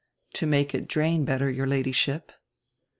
"To make it drain better, your Ladyship."